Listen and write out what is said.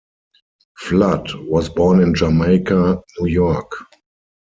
Flood was born in Jamaica, New York.